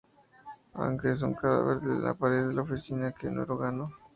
Akane es un cadáver en la pared de la oficina que Neuro ganó.